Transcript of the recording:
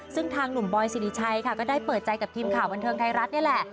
ซึ่งทางหนุ่มบอยสิริชัยค่ะก็ได้เปิดใจกับทีมข่าวบันเทิงไทยรัฐนี่แหละ